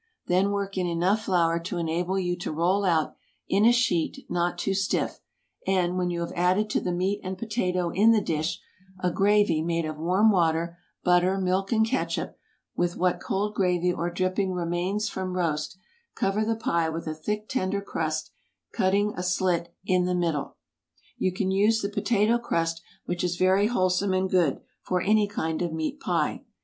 Then work in enough flour to enable you to roll out in a sheet—not too stiff—and, when you have added to the meat and potato in the dish a gravy made of warm water, butter, milk, and catsup, with what cold gravy or dripping remains from "roast," cover the pie with a thick, tender crust, cutting a slit in the middle. You can use the potato crust, which is very wholesome and good, for any kind of meat pie.